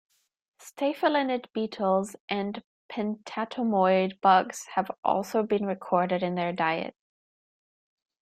Stayphylinid beetles and pentatomid bugs have also been recorded in their diet.